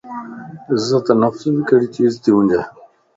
عزت نفس ڀي ڪھڙي چيز تي ھونج